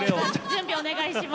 準備お願いします。